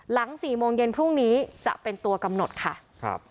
๔โมงเย็นพรุ่งนี้จะเป็นตัวกำหนดค่ะครับ